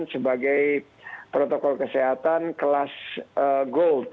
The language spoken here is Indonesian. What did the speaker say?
sebagai protokol kesehatan kelas gold